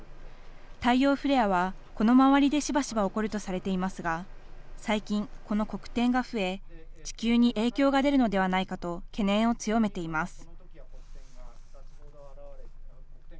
太陽フレアはこの周りでしばしば起こるとされていますが最近、この黒点が増え地球に影響が出るのではないかと懸念を強めています。